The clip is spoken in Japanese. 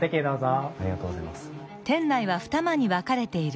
ありがとうございます。